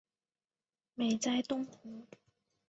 美哉东湖！